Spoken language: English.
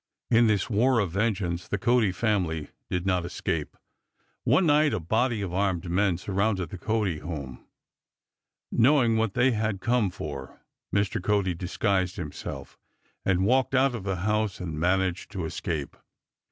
In this war of vengeance the Cody family did not escape. One night a body of armed men surrounded the Cody home. Knowing what they had come for, Mr. Cody disguised himself and walked out of the house and managed to escape.